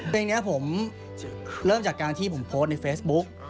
เพลงนี้ผมเริ่มจากการที่ผมโพสต์ในเฟซบุ๊ก